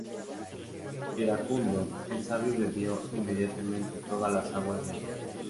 Iracundo, el sabio bebió inmediatamente todas las aguas del río.